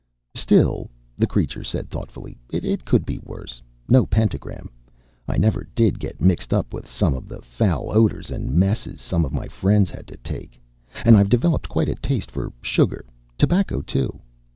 "Still," the creature said thoughtfully, "it could be worse. No pentagram. I never did get mixed up with some of the foul odors and messes some of my friends had to take. And I've developed quite a taste for sugar; tobacco, too."